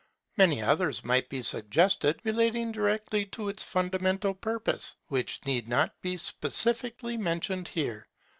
Many others might be suggested, relating directly to its fundamental purpose, which need not be specially mentioned here.